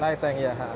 light tank ya